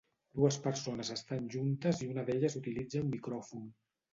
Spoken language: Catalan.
Dues persones estan juntes i una d'elles utilitza un micròfon.